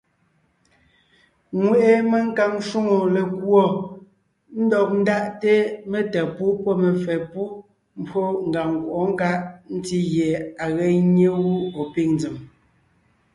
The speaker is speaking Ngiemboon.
Ŋweʼe menkàŋ shwòŋo lekùɔ ndɔg ndáʼte metá pú pɔ́ mefɛ́ pú mbwó ngàŋ nkwɔʼɔ́ nkáʼ ntí gie à ge nyé gú ɔ̀ pîŋ nzèm.